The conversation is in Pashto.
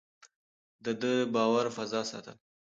ده د باور فضا ساتله.